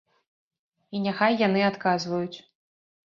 І няхай яны адказваюць.